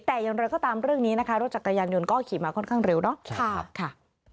แต่อย่างไรก็ตามเรื่องนี้นะคะรถจักรยานยนต์ก็ขี่มาค่อนข้างเร็วเนาะ